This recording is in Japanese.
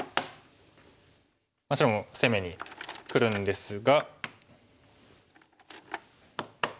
白も攻めにくるんですが。